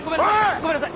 ごめんなさい。